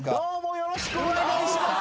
よろしくお願いします。